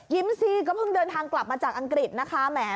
สิก็เพิ่งเดินทางกลับมาจากอังกฤษนะคะแหม